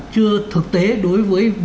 chưa thực tế đối với